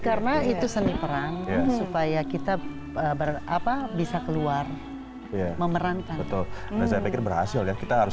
karena itu seni perang supaya kita berapa bisa keluar memerankan betul berhasil kita harus